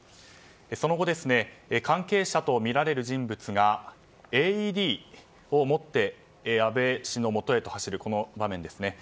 その後、関係者とみられる人物がＡＥＤを持って安倍氏のもとへと走る場面です。